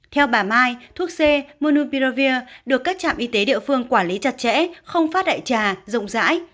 theo bà mai thuốc cmupirovir được các trạm y tế địa phương quản lý chặt chẽ không phát đại trà rộng rãi